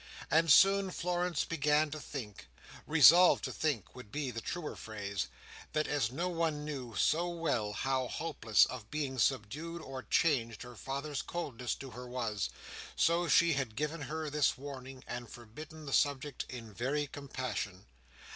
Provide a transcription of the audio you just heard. And soon Florence began to think—resolved to think would be the truer phrase—that as no one knew so well, how hopeless of being subdued or changed her father's coldness to her was, so she had given her this warning, and forbidden the subject in very compassion.